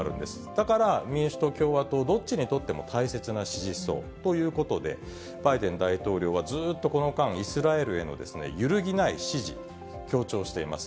だから民主党、共和党、どっちにとっても大切な支持層ということで、バイデン大統領はずっとこの間、イスラエルへのゆるぎない支持、強調しています。